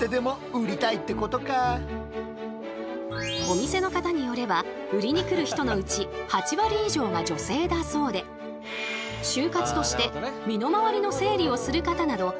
お店の方によれば売りに来る人のうち８割以上が女性だそうで終活として身の回りの整理をする方などその理由はさまざま。